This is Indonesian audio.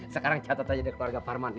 sekarang catat aja deh keluarga farman ya